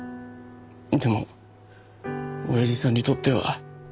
でもおやじさんにとっては。